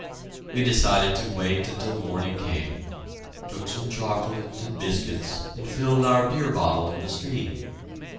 We decided to wait until morning came, took some chocolate and biscuits and filled our beer bottle in the stream.